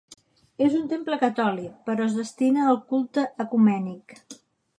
És un temple catòlic però es destina al culte ecumènic.